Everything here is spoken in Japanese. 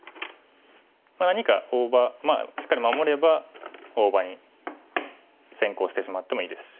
まあ何か大場しっかり守れば大場に先行してしまってもいいですし。